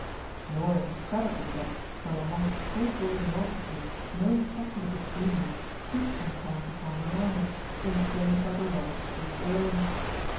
Nor is it credible that, from amongst so great a multitude no speculative genius should from time to time arise, inflamed by the love of truth alone.